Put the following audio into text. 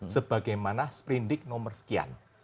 sebagaimana sprendik nomor sekian